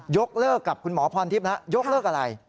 ยกเลิกกับคุณหมอพรทิพย์นะยกเลิกอะไร